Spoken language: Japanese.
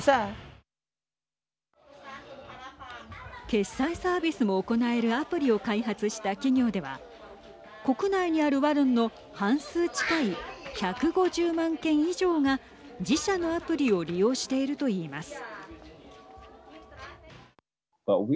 決済サービスも行えるアプリを開発した企業では国内にあるワルンの半数近い１５０万軒以上が自社のアプリを利用しているといいます。